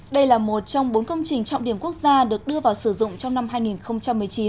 đây là một trong bốn công trình trọng điểm quốc gia được đưa vào sử dụng trong năm hai nghìn một mươi chín